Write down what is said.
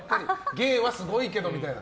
芸はすごいけど、みたいな。